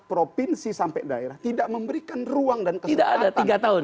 provinsi sampai daerah tidak memberikan ruang dan kesempatan